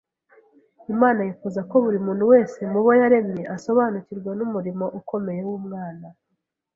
Imana yifuza ko buri muntu wese mu bo yaremye asobanukirwa n’umurimo ukomeye w’Umwana